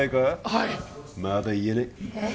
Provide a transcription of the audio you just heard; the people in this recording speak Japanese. はいまだ言えねええっ？